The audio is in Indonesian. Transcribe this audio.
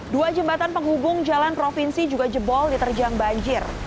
dua jembatan penghubung jalan provinsi juga jebol diterjang banjir